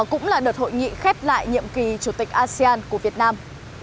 cũng là đợt hội nghị khép lại nhiệm kỳ chủ tịch asean của việt nam